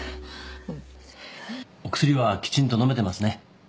お薬はきちんと飲めてますね。